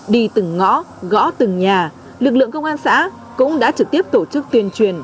đi từng ngõ gõ từng nhà lực lượng công an xã cũng đã trực tiếp tổ chức tuyên truyền